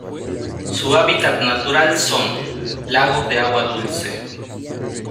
Su hábitat natural son:lagos de agua dulce.